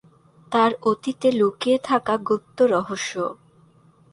তার অতীতে লুকিয়ে থাকা গুপ্ত রহস্য।